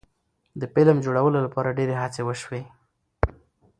د فلم جوړولو لپاره ډیرې هڅې وشوې.